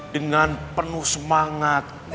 dengan penuh semangat